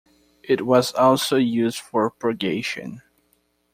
It was also used for purgation.